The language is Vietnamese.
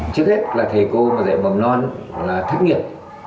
trước hết là thầy cô mà dạy mầm non là thất nghiệp